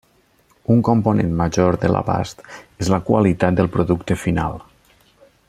Un component major de l'abast és la qualitat del producte final.